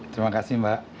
terima kasih mbak